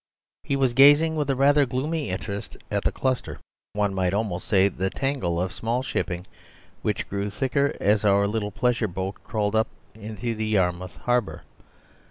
He was gazing with a rather gloomy interest at the cluster, one might almost say the tangle, of small shipping which grew thicker as our little pleasure boat crawled up into Yarmouth Harbour.